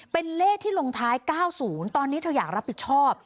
เป็นเลขที่ลงท้าย๙๐ตอนนี้เธออยากรับผิดชอบ